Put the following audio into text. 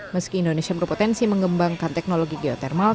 meski indonesia berpotensi mengembangkan teknologi geotermal